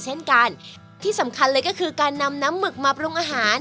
เช่นกันที่สำคัญเลยก็คือการนำน้ำหมึกมาปรุงอาหาร